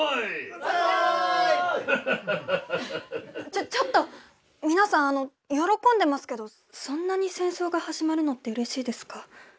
ちょちょっと皆さん喜んでますけどそんなに戦争が始まるのってうれしいですか？